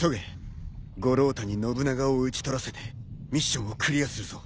五郎太に信長を討ち取らせてミッションをクリアするぞ。